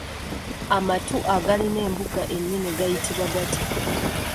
Amatu agalina embuga ennene gayitibwa gatya?